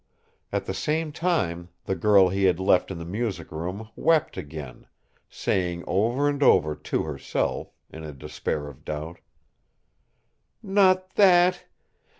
At the same time the girl he had left in the music room wept again, saying over and over to herself, in a despair of doubt: "Not that!